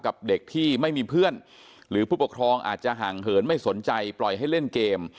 กับเด็กที่ไม่มีเพื่อนหรือผู้ปกครองอาจจะห่างเหินไม่สนใจปล่อยให้เล่นเกม